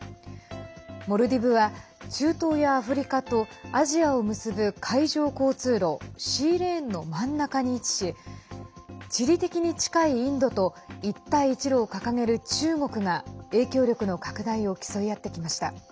モルディブは中東やアフリカとアジアを結ぶ海上交通路＝シーレーンの真ん中に位置し地理的に近いインドと一帯一路を掲げる中国が影響力の拡大を競い合ってきました。